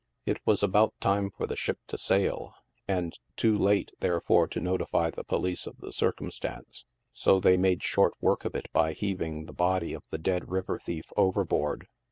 It was about time for the ship to sail, and too late, there fore to notify the police of the circumstance, so they made short work of it by heaving the body of the dead river thief overboard.